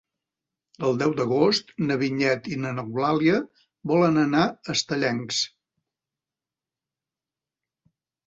El deu d'agost na Vinyet i n'Eulàlia volen anar a Estellencs.